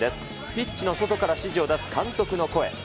ピッチの外から指示を出す監督の声。